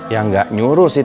ya gak nyuruh sih